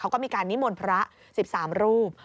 เขาก็มีการนิมนต์พระ๑๓รูป